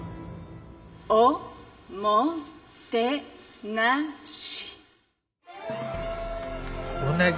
お・も・て・な・し。